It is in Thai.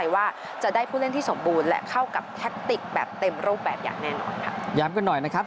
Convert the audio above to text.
ว่าจะได้ผู้เล่นที่สมบูรณ์และเข้ากับแทคติกแบบเต็มรูปแบบอย่างแน่นอนค่ะย้ำกันหน่อยนะครับ